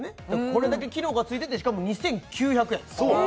これだけ機能が付いててしかも２９００円そう！